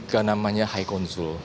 ke namanya high council